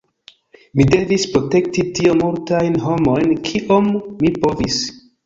Mi devis protekti tiom multajn homojn kiom mi povis".